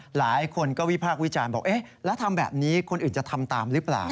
หลายคนก็วิพากษ์วิจารณ์บอกเอ๊ะแล้วทำแบบนี้คนอื่นจะทำตามหรือเปล่า